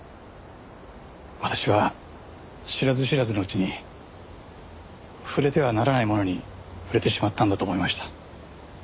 私は知らず知らずのうちに触れてはならないものに触れてしまったんだと思いました。